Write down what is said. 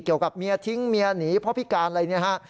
เกี่ยวกับเมียทิ้งเมียหนีพ่อพิการอะไรอย่างนี้ฮะ